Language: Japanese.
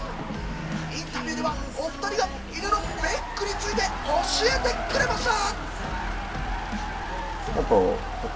インタビューではお２人が犬のベックについて教えてくれました。